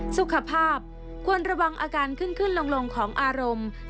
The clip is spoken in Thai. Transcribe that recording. สุขภาพควรระวังอาการขึ้นขึ้นลงของอารมณ์